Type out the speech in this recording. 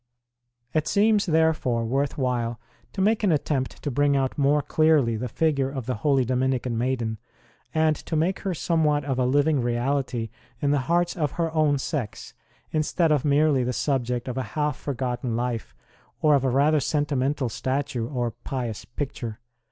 It seems, therefore, worth while to make an attempt to bring out more clearly the figure of the holy Dominican maiden, and to make her some what of a living reality in the hearts of her own sex, instead of merely the subject of a half for gotten Life, or of a rather sentimental statue or pious picture.